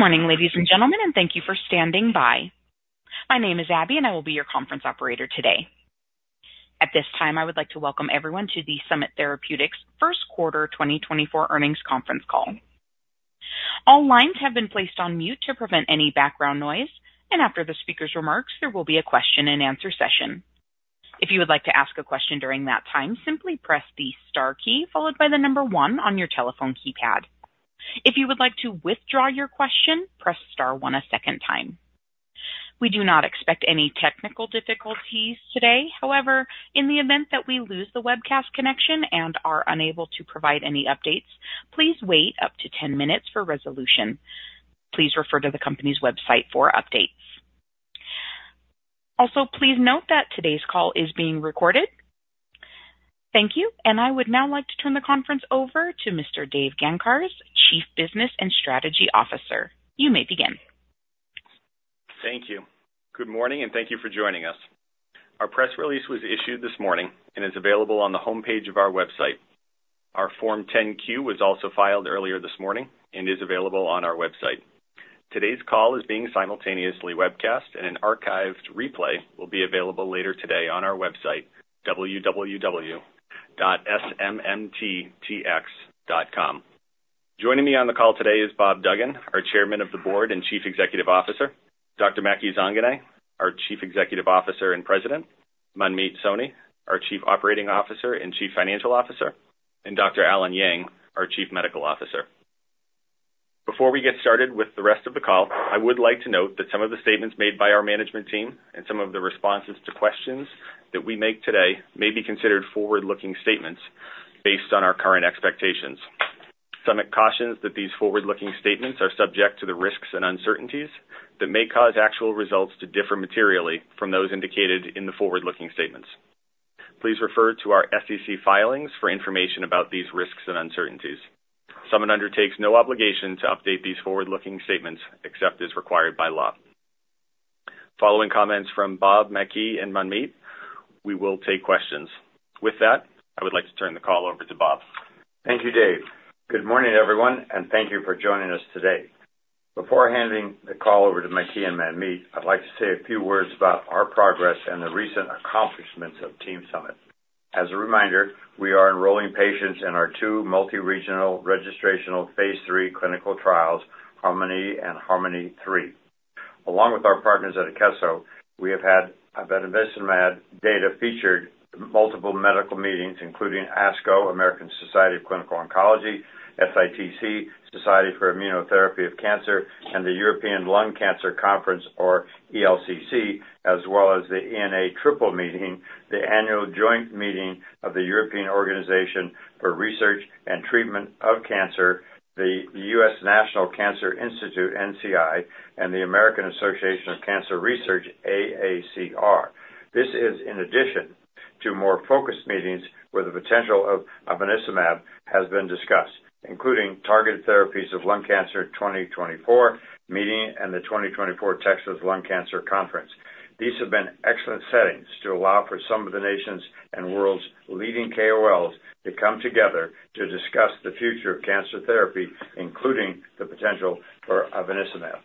Good morning, ladies and gentlemen, and thank you for standing by. My name is Abby, and I will be your conference operator today. At this time, I would like to welcome everyone to the Summit Therapeutics First Quarter 2024 Earnings Conference Call. All lines have been placed on mute to prevent any background noise, and after the speaker's remarks, there will be a Q&A session. If you would like to ask a question during that time, simply press the star key followed by the number one on your telephone keypad. If you would like to withdraw your question, press star one a second time. We do not expect any technical difficulties today. However, in the event that we lose the webcast connection and are unable to provide any updates, please wait up to 10 minutes for resolution. Please refer to the company's website for updates. Also, please note that today's call is being recorded. Thank you, and I would now like to turn the conference over to Mr. Dave Gancarz, Chief Business and Strategy Officer. You may begin. Thank you. Good morning, and thank you for joining us. Our press release was issued this morning and is available on the homepage of our website. Our Form 10-Q was also filed earlier this morning and is available on our website. Today's call is being simultaneously webcast and an archived replay will be available later today on our website, www.smttx.com. Joining me on the call today is Bob Duggan, our Chairman of the Board and Chief Executive Officer, Dr. Maky Zanganeh, our Chief Executive Officer and President, Manmeet Soni, our Chief Operating Officer and Chief Financial Officer, and Dr. Allen Yang, our Chief Medical Officer. Before we get started with the rest of the call, I would like to note that some of the statements made by our management team and some of the responses to questions that we make today may be considered forward-looking statements based on our current expectations. Summit cautions that these forward-looking statements are subject to the risks and uncertainties that may cause actual results to differ materially from those indicated in the forward-looking statements. Please refer to our SEC filings for information about these risks and uncertainties. Summit undertakes no obligation to update these forward-looking statements except as required by law. Following comments from Bob, Maky, and Manmeet, we will take questions. With that, I would like to turn the call over to Bob. Thank you, Dave. Good morning, everyone, and thank you for joining us today. Before handing the call over to Maky and Manmeet, I'd like to say a few words about our progress and the recent accomplishments of Team Summit. As a reminder, we are enrolling patients in our two multi-regional, registrational phase III clinical trials, HARMONi and HARMONi-3. Along with our partners at Akeso, we have had ivonescimab data featured in multiple medical meetings, including ASCO, American Society of Clinical Oncology, SITC, Society for Immunotherapy of Cancer, and the European Lung Cancer Conference, or ELCC, as well as the ENA Triple Meeting, the annual joint meeting of the European Organization for Research and Treatment of Cancer, the U.S. National Cancer Institute, NCI, and the American Association for Cancer Research, AACR. This is in addition to more focused meetings where the potential of ivonescimab has been discussed, including Targeted Therapies of Lung Cancer 2024 meeting and the 2024 Texas Lung Cancer Conference. These have been excellent settings to allow for some of the nation's and world's leading KOLs to come together to discuss the future of cancer therapy, including the potential for ivonescimab.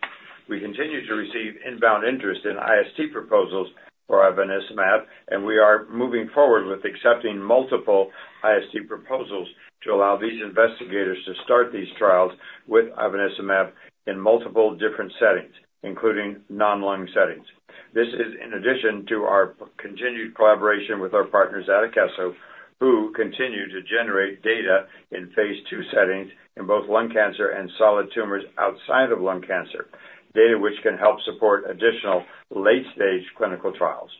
We continue to receive inbound interest in IST proposals for ivonescimab, and we are moving forward with accepting multiple IST proposals to allow these investigators to start these trials with ivonescimab in multiple different settings, including non-lung settings. This is in addition to our continued collaboration with our partners at Akeso, who continue to generate data in phase II settings in both lung cancer and solid tumors outside of lung cancer, data which can help support additional late-stage clinical trials.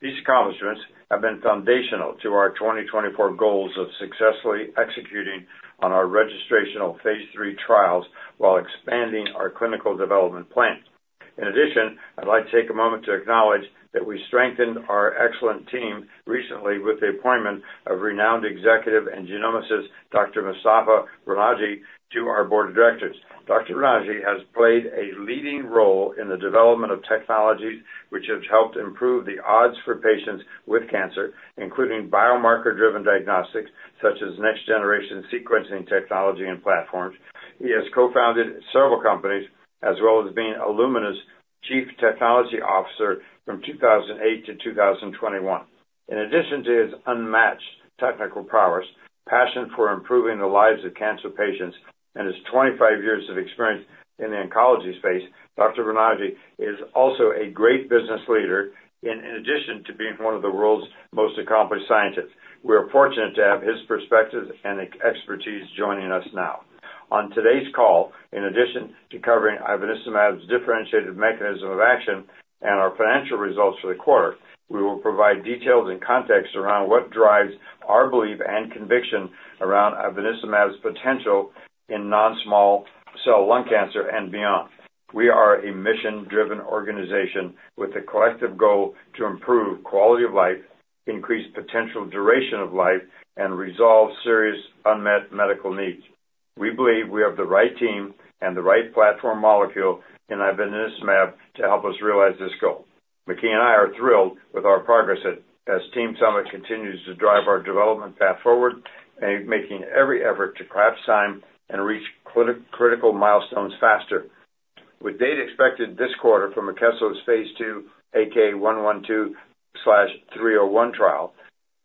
These accomplishments have been foundational to our 2024 goals of successfully executing on our registrational phase III trials while expanding our clinical development plan. In addition, I'd like to take a moment to acknowledge that we strengthened our excellent team recently with the appointment of renowned executive and genomicist, Dr. Mostafa Ronaghi, to our board of directors. Dr. Ronaghi has played a leading role in the development of technologies which have helped improve the odds for patients with cancer, including biomarker-driven diagnostics, such as next-generation sequencing technology and platforms. He has co-founded several companies, as well as being an illustrious chief technology officer from 2008 to 2021. In addition to his unmatched technical prowess, passion for improving the lives of cancer patients, and his 25 years of experience in the oncology space, Dr. Ronaghi is also a great business leader in addition to being one of the world's most accomplished scientists. We are fortunate to have his perspective and expertise joining us now. On today's call, in addition to covering ivonescimab's differentiated mechanism of action and our financial results for the quarter, we will provide details and context around what drives our belief and conviction around ivonescimab's potential in non-small cell lung cancer and beyond. We are a mission-driven organization with a collective goal to improve quality of life, increase potential duration of life, and resolve serious unmet medical needs. We believe we have the right team and the right platform molecule in ivonescimab to help us realize this goal. Maky and I are thrilled with our progress as Team Summit continues to drive our development path forward and making every effort to crash time and reach critical milestones faster. With data expected this quarter from Akeso's phase II, AK112-301 trial,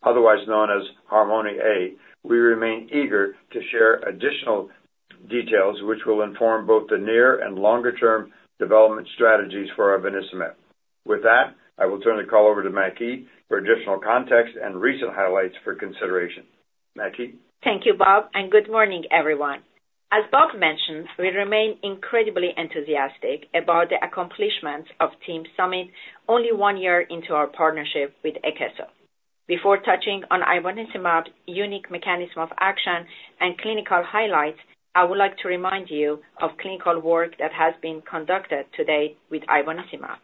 otherwise known as HARMONi-A, we remain eager to share additional details which will inform both the near and longer term development strategies for ivonescimab. With that, I will turn the call over to Maky for additional context and recent highlights for consideration. Maky? Thank you, Bob, and good morning, everyone. As Bob mentioned, we remain incredibly enthusiastic about the accomplishments of Team Summit only one year into our partnership with Akeso. Before touching on ivonescimab's unique mechanism of action and clinical highlights, I would like to remind you of clinical work that has been conducted to date with ivonescimab.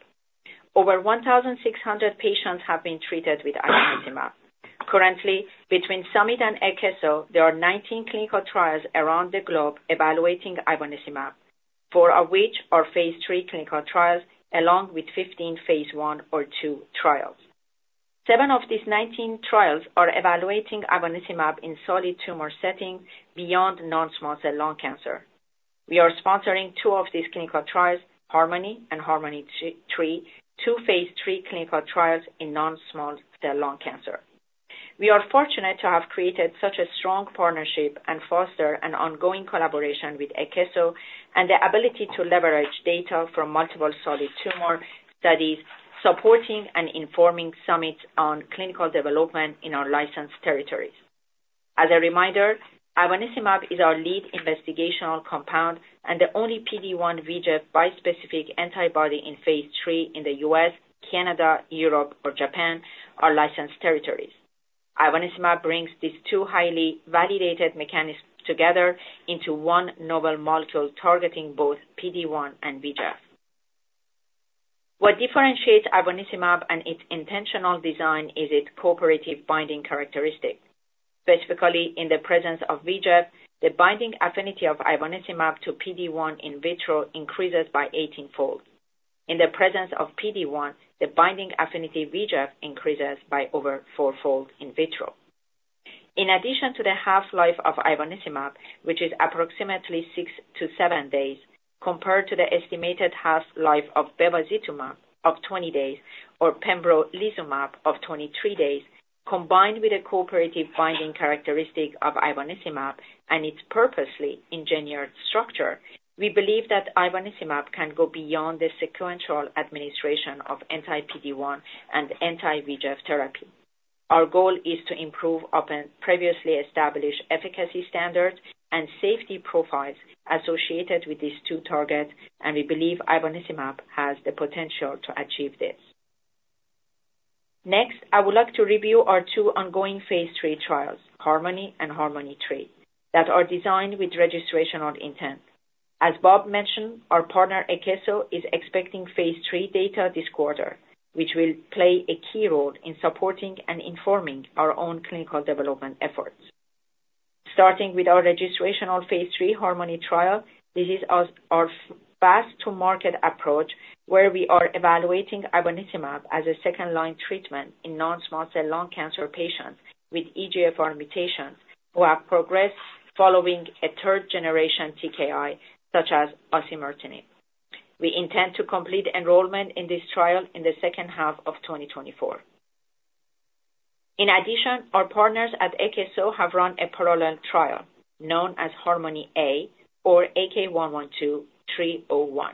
Over 1,600 patients have been treated with ivonescimab. Currently, between Summit and Akeso, there are 19 clinical trials around the globe evaluating ivonescimab, four of which are phase III clinical trials, along with 15 phase I or II trials. Seven of these 19 trials are evaluating ivonescimab in solid tumor settings beyond non-small cell lung cancer. We are sponsoring two of these clinical trials, HARMONi and HARMONi-3, two phase III clinical trials in non-small cell lung cancer. We are fortunate to have created such a strong partnership and foster an ongoing collaboration with Akeso, and the ability to leverage data from multiple solid tumor studies, supporting and informing Summit on clinical development in our licensed territories. As a reminder, ivonescimab is our lead investigational compound and the only PD-1 VEGF bispecific antibody in phase III in the U.S., Canada, Europe or Japan, our licensed territories. Ivonescimab brings these two highly validated mechanisms together into one novel molecule targeting both PD-1 and VEGF. What differentiates ivonescimab and its intentional design is its cooperative binding characteristic. Specifically, in the presence of VEGF, the binding affinity of ivonescimab to PD-1 in vitro increases by 18-fold. In the presence of PD-1, the binding affinity VEGF increases by over 4-fold in vitro. In addition to the half-life of ivonescimab, which is approximately six to seven days, compared to the estimated half-life of bevacizumab of 20 days, or pembrolizumab of 23 days, combined with a cooperative binding characteristic of ivonescimab and its purposely engineered structure, we believe that ivonescimab can go beyond the sequential administration of anti-PD-1 and anti-VEGF therapy. Our goal is to improve upon previously established efficacy standards and safety profiles associated with these two targets, and we believe ivonescimab has the potential to achieve this. Next, I would like to review our two ongoing phase III trials, HARMONi and HARMONi-3, that are designed with registrational intent. As Bob mentioned, our partner, Akeso, is expecting phase III data this quarter, which will play a key role in supporting and informing our own clinical development efforts. Starting with our registrational phase III HARMONi trial, this is our fast-to-market approach, where we are evaluating ivonescimab as a second-line treatment in non-small cell lung cancer patients with EGFR mutations who have progressed following a third-generation TKI, such as osimertinib. We intend to complete enrollment in this trial in the second half of 2024. In addition, our partners at Akeso have run a parallel trial known as HARMONi-A, or AK112-301.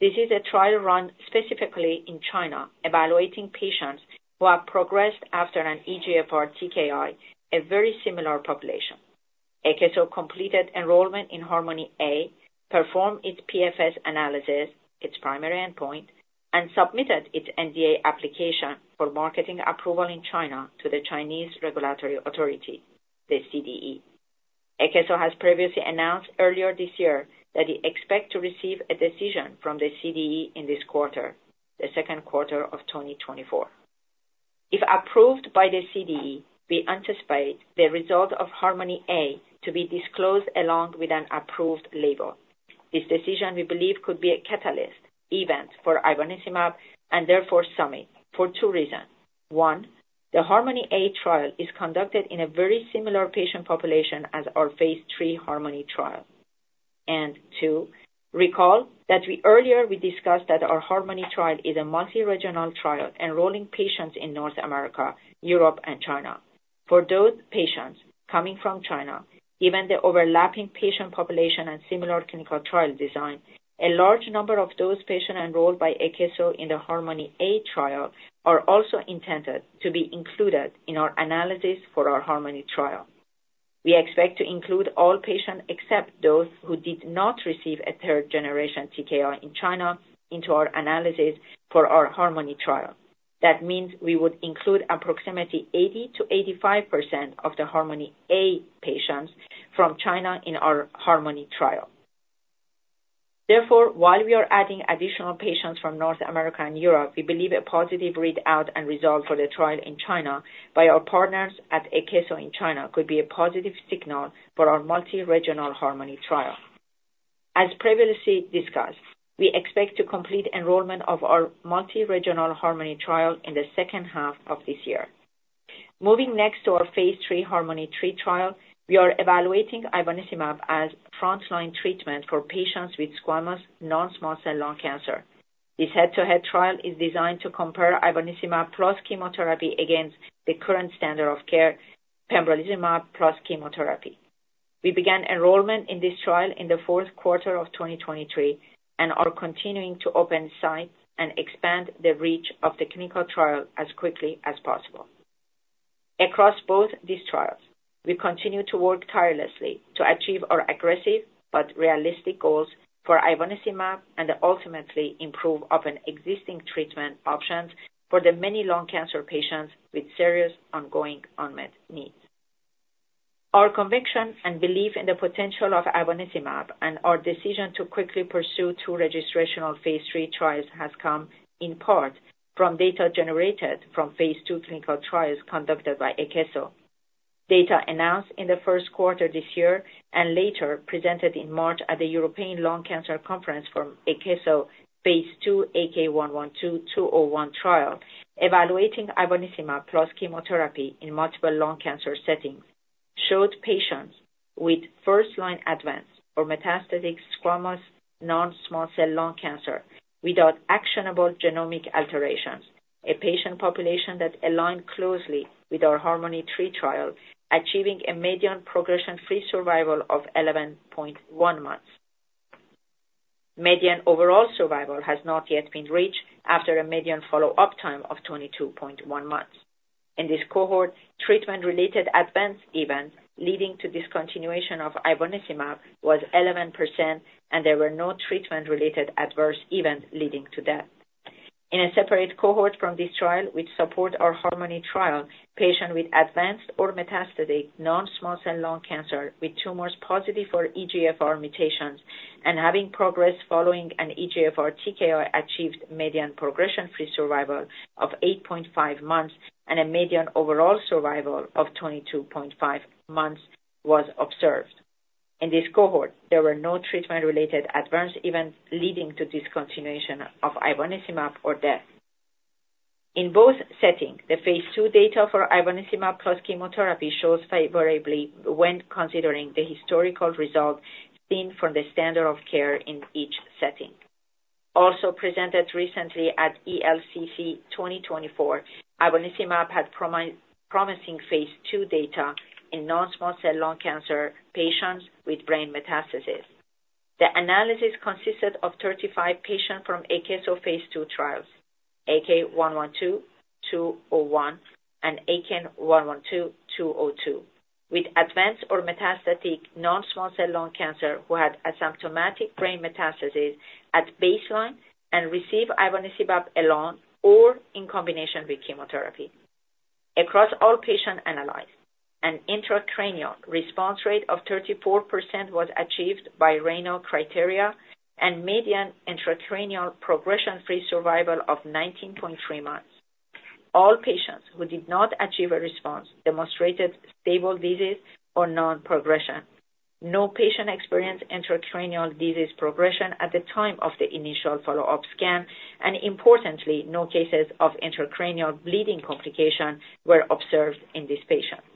This is a trial run specifically in China, evaluating patients who have progressed after an EGFR TKI, a very similar population. Akeso completed enrollment in HARMONi-A, performed its PFS analysis, its primary endpoint, and submitted its NDA application for marketing approval in China to the Chinese Regulatory Authority, the CDE. Akeso has previously announced earlier this year that they expect to receive a decision from the CDE in this quarter, the second quarter of 2024. If approved by the CDE, we anticipate the result of HARMONi-A to be disclosed along with an approved label. This decision, we believe, could be a catalyst event for ivonescimab and therefore Summit, for two reasons. One, the HARMONi-A trial is conducted in a very similar patient population as our phase III HARMONi trial. And two, recall that we earlier discussed that our HARMONi trial is a multi-regional trial enrolling patients in North America, Europe, and China. For those patients coming from China, given the overlapping patient population and similar clinical trial design, a large number of those patients enrolled by Akeso in the HARMONi-A trial are also intended to be included in our analysis for our HARMONi trial. We expect to include all patients, except those who did not receive a third-generation TKI in China, into our analysis for our HARMONi trial. That means we would include approximately 80%-85% of the HARMONi-A patients from China in our HARMONi trial. Therefore, while we are adding additional patients from North America and Europe, we believe a positive read out and result for the trial in China by our partners at Akeso in China could be a positive signal for our multi-regional HARMONi trial. As previously discussed, we expect to complete enrollment of our multi-regional HARMONi trial in the second half of this year. Moving next to our phase III HARMONi-3 trial, we are evaluating ivonescimab as frontline treatment for patients with squamous non-small cell lung cancer. This head-to-head trial is designed to compare ivonescimab plus chemotherapy against the current standard of care, pembrolizumab plus chemotherapy. We began enrollment in this trial in the fourth quarter of 2023, and are continuing to open sites and expand the reach of the clinical trial as quickly as possible. Across both these trials, we continue to work tirelessly to achieve our aggressive but realistic goals for ivonescimab, and ultimately improve upon existing treatment options for the many lung cancer patients with serious ongoing unmet needs. Our conviction and belief in the potential of ivonescimab, and our decision to quickly pursue two registrational phase III trials, has come in part from data generated from phase II clinical trials conducted by Akeso. Data announced in the first quarter this year, and later presented in March at the European Lung Cancer Conference from Akeso, phase II AK112-201 trial, evaluating ivonescimab plus chemotherapy in multiple lung cancer settings, showed patients with first-line advanced or metastatic squamous non-small cell lung cancer without actionable genomic alterations, a patient population that aligned closely with our HARMONi-3 trial, achieving a median progression-free survival of 11.1 months. Median overall survival has not yet been reached after a median follow-up time of 22.1 months. In this cohort, treatment-related adverse events leading to discontinuation of ivonescimab was 11%, and there were no treatment-related adverse events leading to death. In a separate cohort from this trial, which support our HARMONi trial, patient with advanced or metastatic non-small cell lung cancer with tumors positive for EGFR mutations and having progressed following an EGFR TKI, achieved median progression-free survival of 8.5 months, and a median overall survival of 22.5 months was observed. In this cohort, there were no treatment-related adverse events leading to discontinuation of ivonescimab or death. In both settings, the phase II data for ivonescimab plus chemotherapy shows favorably when considering the historical results seen from the standard of care in each setting. Also presented recently at ELCC 2024, ivonescimab had promising phase II data in non-small cell lung cancer patients with brain metastasis. The analysis consisted of 35 patients from Akeso phase II trials, AK112-201 and AK112-202, with advanced or metastatic non-small cell lung cancer, who had asymptomatic brain metastasis at baseline and received ivonescimab alone or in combination with chemotherapy. Across all patients analyzed, an intracranial response rate of 34% was achieved by RANO criteria, and median intracranial progression-free survival of 19.3 months. All patients who did not achieve a response demonstrated stable disease or non-progression. No patient experienced intracranial disease progression at the time of the initial follow-up scan, and importantly, no cases of intracranial bleeding complication were observed in these patients.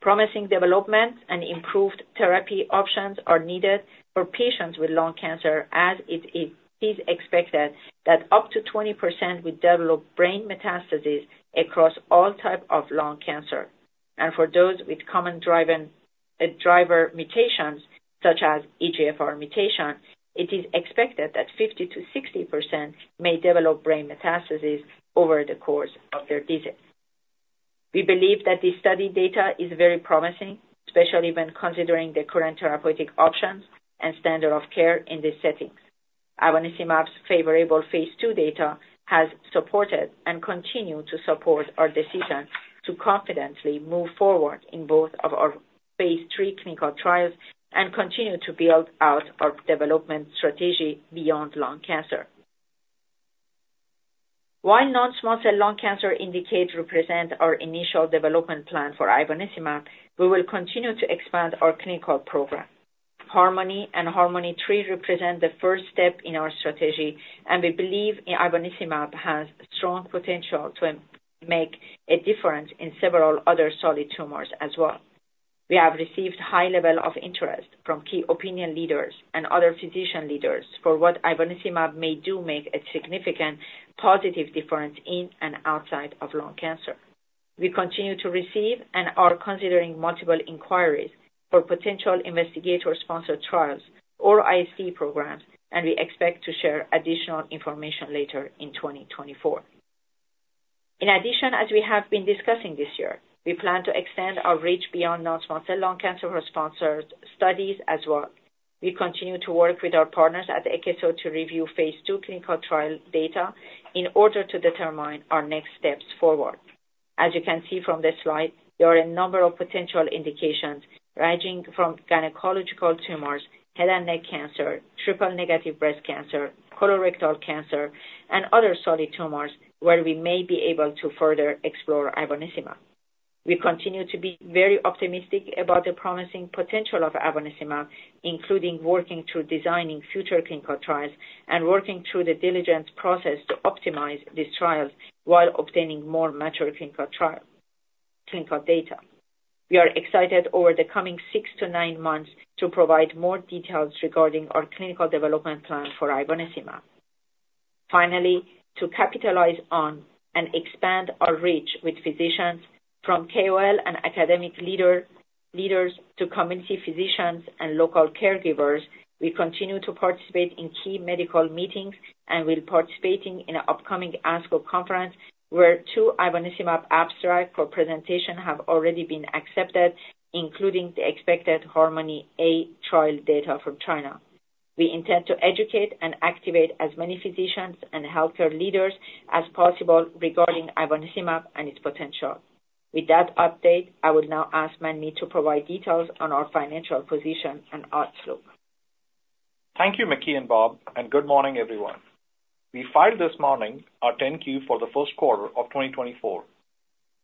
Promising developments and improved therapy options are needed for patients with lung cancer, as it is expected that up to 20% will develop brain metastasis across all type of lung cancer. For those with common driver mutations, such as EGFR mutation, it is expected that 50%-60% may develop brain metastasis over the course of their disease. We believe that this study data is very promising, especially when considering the current therapeutic options and standard of care in these settings. Ivonescimab's favorable phase II data has supported and continue to support our decision to confidently move forward in both of our phase III clinical trials, and continue to build out our development strategy beyond lung cancer. While non-small cell lung cancer indication represents our initial development plan for ivonescimab, we will continue to expand our clinical program. HARMONi and HARMONi-3 represent the first step in our strategy, and we believe ivonescimab has strong potential to make a difference in several other solid tumors as well. We have received high level of interest from key opinion leaders and other physician leaders for what ivonescimab may do make a significant positive difference in and outside of lung cancer. We continue to receive and are considering multiple inquiries for potential investigator-sponsored trials or IST programs, and we expect to share additional information later in 2024. In addition, as we have been discussing this year, we plan to extend our reach beyond non-small cell lung cancer sponsored studies as well. We continue to work with our partners at Akeso to review phase II clinical trial data in order to determine our next steps forward. As you can see from this slide, there are a number of potential indications, ranging from gynecological tumors, head and neck cancer, triple-negative breast cancer, colorectal cancer, and other solid tumors where we may be able to further explore ivonescimab. We continue to be very optimistic about the promising potential of ivonescimab, including working through designing future clinical trials and working through the diligence process to optimize these trials while obtaining more mature clinical trial data. We are excited over the coming six to nine months to provide more details regarding our clinical development plan for ivonescimab. Finally, to capitalize on and expand our reach with physicians, from KOL and academic leaders to community physicians and local caregivers, we continue to participate in key medical meetings and will participating in an upcoming ASCO conference, where two ivonescimab abstract for presentation have already been accepted, including the expected HARMONi-A trial data from China. We intend to educate and activate as many physicians and healthcare leaders as possible regarding ivonescimab and its potential. With that update, I will now ask Manmeet to provide details on our financial position and outlook. Thank you, Maky and Bob, and good morning, everyone. We filed this morning our 10-Q for the first quarter of 2024.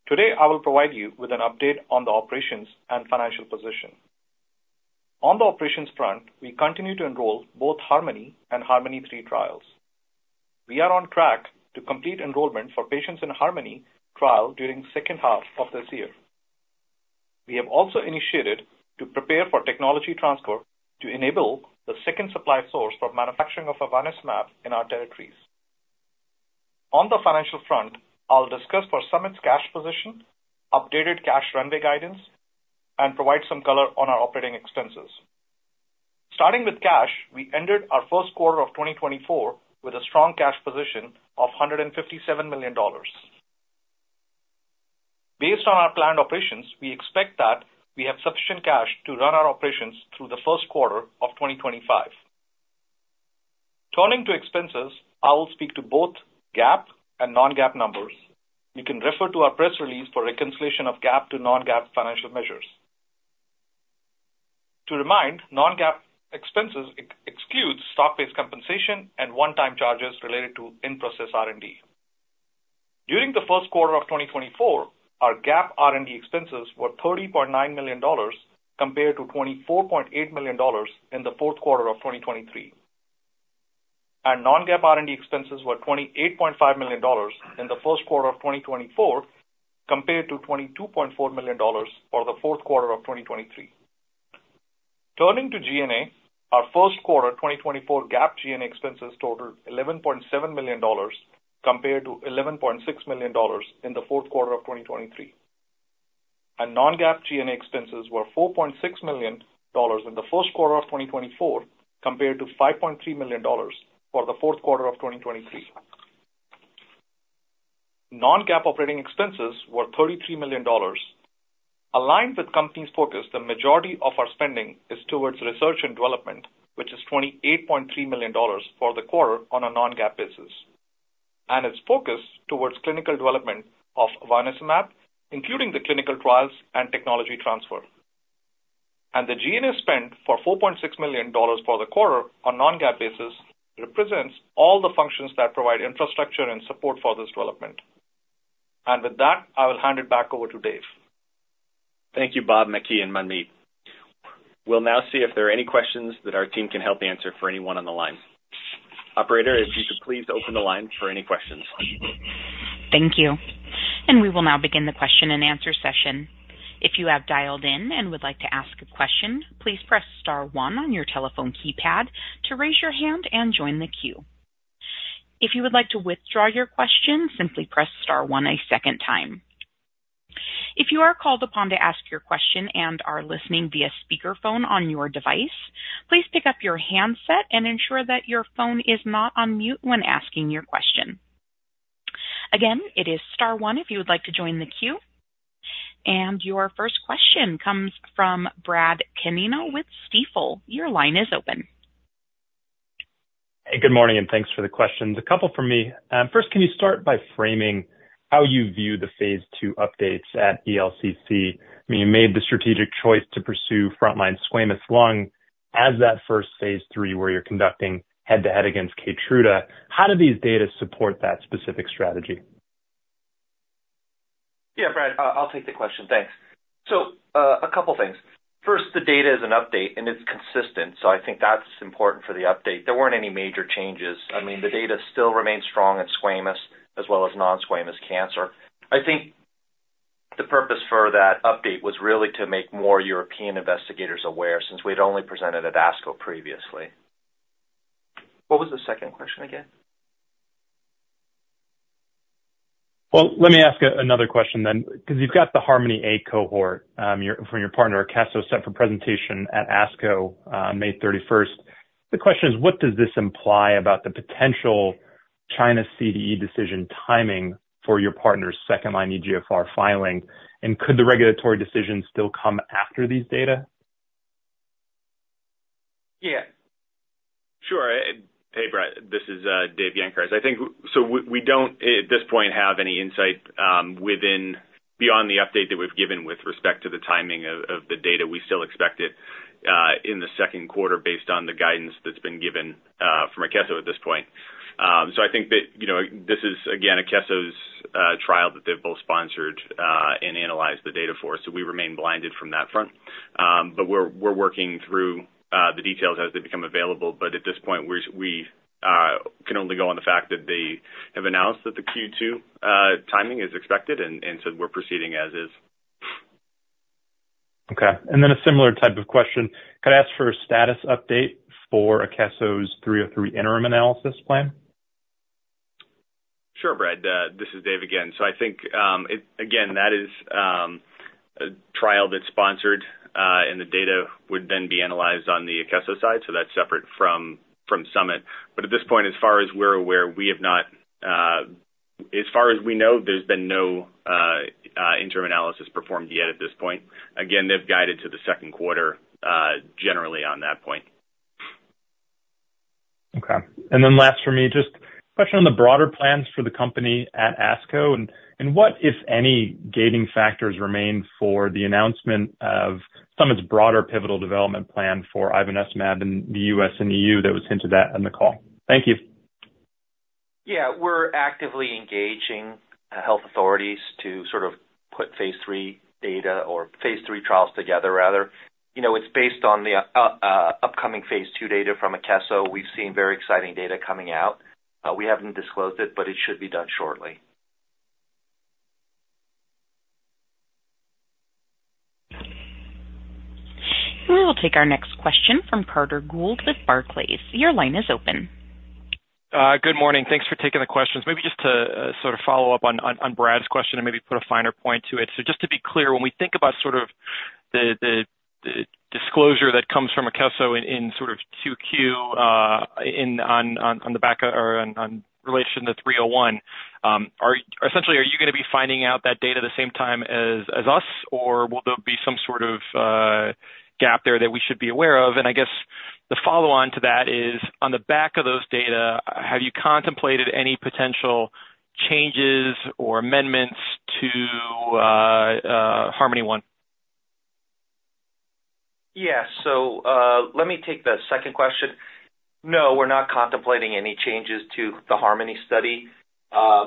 Today, I will provide you with an update on the operations and financial position. On the operations front, we continue to enroll both HARMONi and HARMONi-3 trials. We are on track to complete enrollment for patients in HARMONi trial during second half of this year. We have also initiated to prepare for technology transfer to enable the second supply source for manufacturing of ivonescimab in our territories. On the financial front, I'll discuss for Summit's cash position, updated cash runway guidance, and provide some color on our operating expenses. Starting with cash, we ended our first quarter of 2024 with a strong cash position of $157 million. Based on our planned operations, we expect that we have sufficient cash to run our operations through the first quarter of 2025. Turning to expenses, I will speak to both GAAP and non-GAAP numbers. You can refer to our press release for reconciliation of GAAP to non-GAAP financial measures. To remind, non-GAAP expenses excludes stock-based compensation and one-time charges related to in-process R&D. During the first quarter of 2024, our GAAP R&D expenses were $30.9 million compared to $24.8 million in the fourth quarter of 2023. Our non-GAAP R&D expenses were $28.5 million in the first quarter of 2024, compared to $22.4 million for the fourth quarter of 2023. Turning to G&A, our first quarter 2024 GAAP G&A expenses totaled $11.7 million, compared to $11.6 million in the fourth quarter of 2023. Non-GAAP G&A expenses were $4.6 million in the first quarter of 2024, compared to $5.3 million for the fourth quarter of 2023. Non-GAAP operating expenses were $33 million. Aligned with company's focus, the majority of our spending is towards research and development, which is $28.3 million for the quarter on a non-GAAP basis. Its focus towards clinical development of ivonescimab, including the clinical trials and technology transfer. The G&A spend for $4.6 million for the quarter on non-GAAP basis, represents all the functions that provide infrastructure and support for this development. With that, I will hand it back over to Dave. Thank you, Bob, Maky, and Manmeet. We'll now see if there are any questions that our team can help answer for anyone on the line. Operator, if you could please open the line for any questions. Thank you. We will now begin the Q&A session. If you have dialed in and would like to ask a question, please press star one on your telephone keypad to raise your hand and join the queue. If you would like to withdraw your question, simply press star one a second time. If you are called upon to ask your question and are listening via speakerphone on your device, please pick up your handset and ensure that your phone is not on mute when asking your question. Again, it is star one if you would like to join the queue. Your first question comes from Brad Canino with Stifel. Your line is open. Hey, good morning, and thanks for the questions. A couple from me. First, can you start by framing how you view the phase two updates at ELCC? I mean, you made the strategic choice to pursue frontline squamous lung as that first phase three, where you're conducting head-to-head against KEYTRUDA. How do these data support that specific strategy? Yeah, Brad, I, I'll take the question. Thanks. So, a couple things. First, the data is an update, and it's consistent, so I think that's important for the update. There weren't any major changes. I mean, the data still remains strong in squamous as well as non-squamous cancer. I think the purpose for that update was really to make more European investigators aware, since we'd only presented at ASCO previously. What was the second question again? Well, let me ask another question then, because you've got the HARMONi-A cohort, your partner Akeso, set for presentation at ASCO on May thirty-first. The question is: What does this imply about the potential China CDE decision timing for your partner's second-line EGFR filing? And could the regulatory decision still come after these data? Yeah. Sure. Hey, Brad, this is Dave Gancarz. I think so we don't at this point have any insight beyond the update that we've given with respect to the timing of the data. We still expect it in the second quarter, based on the guidance that's been given from Akeso at this point. So I think that, you know, this is again Akeso's trial that they've both sponsored and analyzed the data for. So we remain blinded from that front. But we're working through the details as they become available. But at this point, we can only go on the fact that they have announced that the Q2 timing is expected, and so we're proceeding as is. Okay. And then a similar type of question. Could I ask for a status update for Akeso's 303 interim analysis plan? Sure, Brad, this is Dave again. So I think again, that is a trial that's sponsored and the data would then be analyzed on the Akeso side, so that's separate from Summit. But at this point, as far as we're aware, we have not. As far as we know, there's been no interim analysis performed yet at this point. Again, they've guided to the second quarter generally on that point. Okay. And then last for me, just a question on the broader plans for the company at ASCO, and, and what, if any, gating factors remain for the announcement of some of its broader pivotal development plan for ivonescimab in the U.S. and E.U. that was hinted at on the call? Thank you. Yeah, we're actively engaging health authorities to sort of put phase three data or phase three trials together, rather. You know, it's based on the upcoming phase two data from Akeso. We've seen very exciting data coming out. We haven't disclosed it, but it should be done shortly. We will take our next question from Carter Gould with Barclays. Your line is open. Good morning. Thanks for taking the questions. Maybe just to sort of follow up on Brad's question and maybe put a finer point to it. So just to be clear, when we think about sort of the disclosure that comes from Akeso in sort of 2Q, on the back of or in relation to 301, essentially, are you gonna be finding out that data the same time as us? Or will there be some sort of gap there that we should be aware of? And I guess the follow-on to that is, on the back of those data, have you contemplated any potential changes or amendments to HARMONi one? Yeah. So, let me take the second question. No, we're not contemplating any changes to the HARMONi study.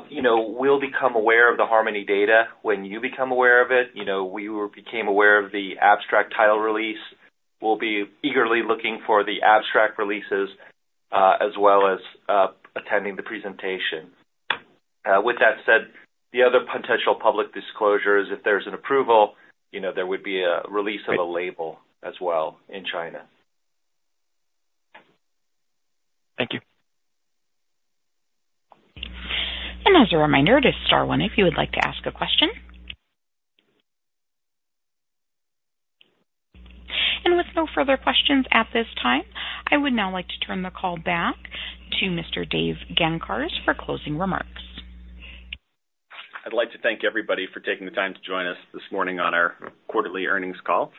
You know, we'll become aware of the HARMONi data when you become aware of it. You know, we became aware of the abstract title release. We'll be eagerly looking for the abstract releases, as well as attending the presentation. With that said, the other potential public disclosure is if there's an approval, you know, there would be a release of the label as well in China. Thank you. As a reminder, just star one if you would like to ask a question. With no further questions at this time, I would now like to turn the call back to Mr. Dave Gancarz for closing remarks. I'd like to thank everybody for taking the time to join us this morning on our quarterly earnings call.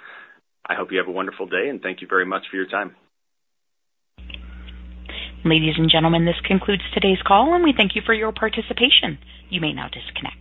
I hope you have a wonderful day, and thank you very much for your time. Ladies and gentlemen, this concludes today's call, and we thank you for your participation. You may now disconnect.